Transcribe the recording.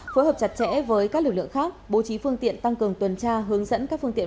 phối hợp chặt chẽ với các lực lượng khác bố trí phương tiện tăng cường tuần tra hướng dẫn các phương tiện